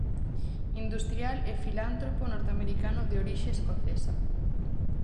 Industrial e filántropo norteamericano de orixe escocesa.